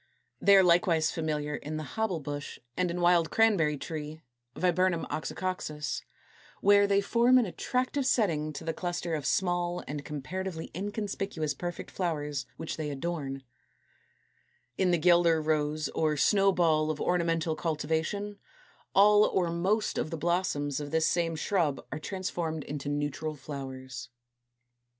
They are likewise familiar in the Hobble bush and in Wild Cranberry tree, Viburnum Oxycoccus; where they form an attractive setting to the cluster of small and comparatively inconspicuous perfect flowers which they adorn. In the Guelder Rose, or Snow ball of ornamental cultivation, all or most of the blossoms of this same shrub are transformed into neutral flowers. [Illustration: Fig. 218. A flos plenus, namely, a full double flower of Rose.